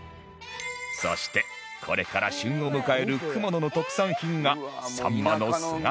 そしてこれから旬を迎える熊野の特産品が